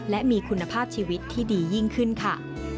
และมีคุณภาพชีวิตที่ดียิ่งขึ้นค่ะ